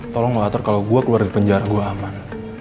tolong lo atur kalau gue keluar dari penjara gue aman